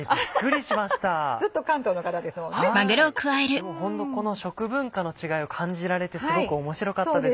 でもホントこの食文化の違いを感じられてすごく面白かったです。